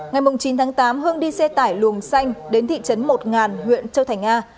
ngày chín tháng tám hưng đi xe tải luồng xanh đến thị trấn một ngàn huyện châu thành a